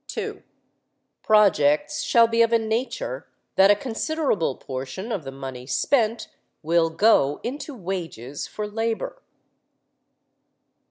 (2) Projects shall be of a nature that a considerable proportion of the money spent will go into wages for labor.